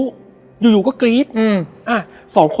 และวันนี้แขกรับเชิญที่จะมาเชิญที่เรา